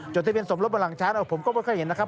ทะเบียสมรสบนหลังช้างผมก็ไม่เคยเห็นนะครับ